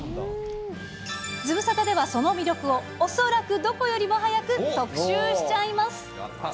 ズムサタでは、その魅力を恐らくどこよりも早く特集しちゃいます。